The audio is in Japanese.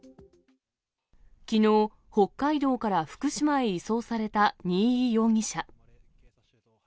きのう、北海道から福島へ移送された新居容疑者。